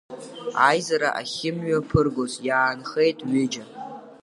Аизара ахьымҩаԥыргоз иаанхеит ҩыџьа.